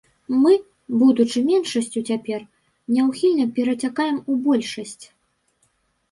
Мы, будучы меншасцю цяпер, няўхільна перацякаем у большасць.